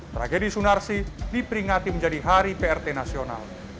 tragedi sunarsi diperingati menjadi hari prt nasional